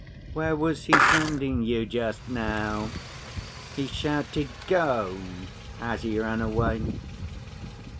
"Where was he sending you just now? He shouted 'Go' as he ran away."